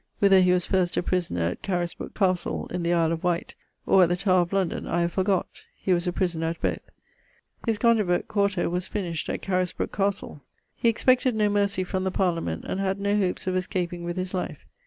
Whither he was first a prisoner at Caresbroke castle in the Isle of Wight, or at the Tower of London, I have forgott: he was a prisoner at both. His Gondibert, 4to, was finished at Caresbroke castle. He expected no mercy from the Parliament, and had no hopes of escaping his life.